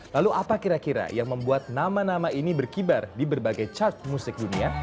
lalu apa kira kira yang membuat nama nama ini berkibar di berbagai chart musik dunia